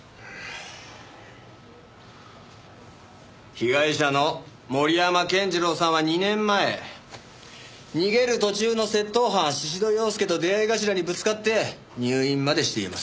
被害者の森山健次郎さんは２年前逃げる途中の窃盗犯宍戸洋介と出合い頭にぶつかって入院までしています。